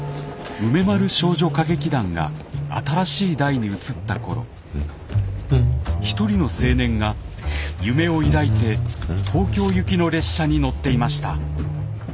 梅丸少女歌劇団が新しい代に移った頃一人の青年が夢を抱いて東京行きの列車に乗っていました。